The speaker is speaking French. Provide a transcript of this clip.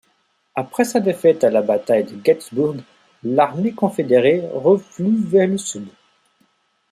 Après sa défaite à la bataille de Gettysburg, l'armée confédérée reflue vers le sud.